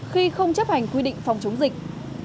khi không chấp hành quy định phòng chống dịch